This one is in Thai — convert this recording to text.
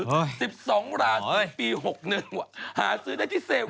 โอ๊ยสิบสองล้านปีหกนึงหาซื้อได้ที่เซเวนส์